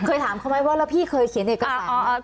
เคยถามเขาไหมว่าแล้วพี่เคยเขียนเอกสาร